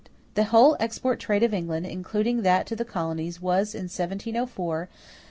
The whole export trade of England, including that to the colonies, was, in 1704, £6,509,000.